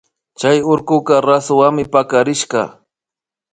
Chay urkuka rasuwanmi pakarishka